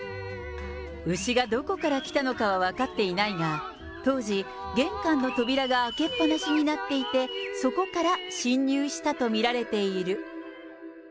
牛がどこから来たのかは分かっていないが、当時、玄関の扉が開けっ放しになっていて、そこから進入したと見られている。